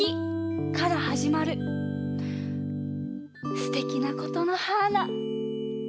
すてきなことのはーな。